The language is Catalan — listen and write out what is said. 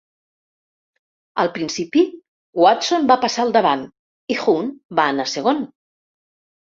Al principi, Watson va passar al davant i Hunt va anar segon.